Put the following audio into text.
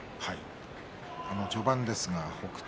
序盤ですが北勝